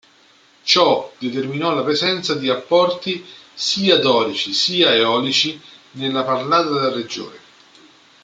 Ciò determinò la presenza di apporti sia dorici sia eolici nella parlata della regione.